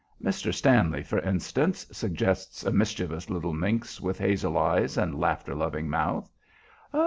"Mr. Stanley for instance," suggests a mischievous little minx with hazel eyes and laughter loving mouth.